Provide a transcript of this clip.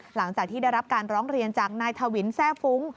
หลังจากที่ได้รับการร้องเรียนจากนายทวินแทร่ฟุ้ง